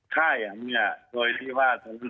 ค่าแอ๋มเนี่ยโดยที่ว่าทะเลาะกัน